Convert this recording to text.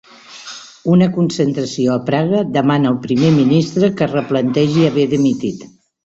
Una concentració a Praga demana al primer ministre que es replantegi haver dimitit